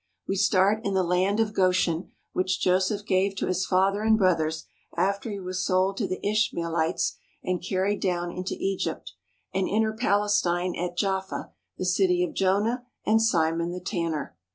We start in the Land of Goshen which Joseph gave to his father and brothers after he was sold to the Ishmael ites and carried down into Egypt, and enter Palestine at Jaffa, the city of Jonah and Simon the Tanner.